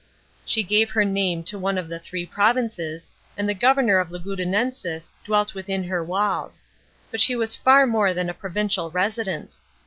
She gave her name to one of the three provinces, and the governor of Lugudunensis dwelt within her walls ; but she was far more than a provincial residence.